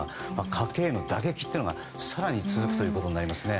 家計への打撃というのが更に続くということになりますね。